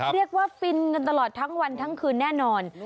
เรียกว่าฟินกันตลอดทั้งวันทั้งคืนแน่นอน